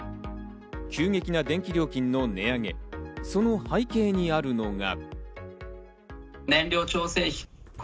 急激な電気料金の値上げ、その背景にあるのが。